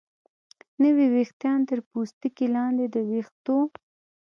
نوي ویښتان تر پوستکي لاندې د ویښتو